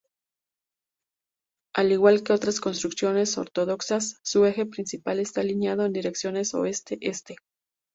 Al igual que otras construcciones ortodoxas, su eje principal está alineado en dirección oeste-este.